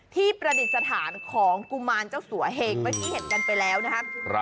ประดิษฐานของกุมารเจ้าสัวเหงเมื่อกี้เห็นกันไปแล้วนะครับ